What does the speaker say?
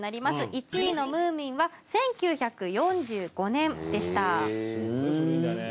１位のムーミンは１９４５年でしたへえ